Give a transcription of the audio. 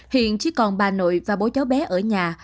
hiện chỉ còn bà nội và bố cháu bé ở nhà